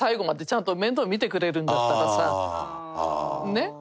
ねっ。